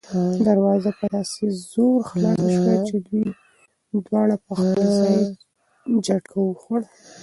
دروازه په داسې زور خلاصه شوه چې دوی دواړه په خپل ځای جټکه وخوړه.